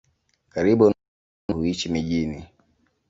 Karibu nusu ya watu huishi mijini.